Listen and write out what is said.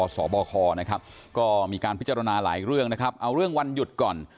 สบคนะครับก็มีการพิจารณาหลายเรื่องนะครับเอาเรื่องวันหยุดก่อน